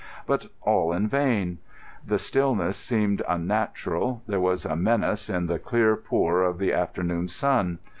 But all in vain. The stillness seemed unnatural. There was a menace in the clear pour of the afternoon sun.